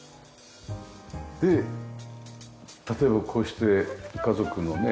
で例えばこうして家族のね